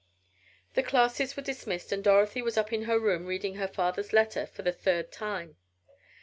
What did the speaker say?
The classes were dismissed and Dorothy was up in her room reading her father's letter for the third time.